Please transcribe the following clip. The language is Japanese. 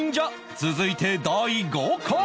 続いて第５巻